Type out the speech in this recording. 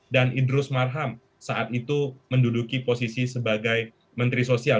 dan idrus marham saat itu menduduki posisi sebagai menteri sosial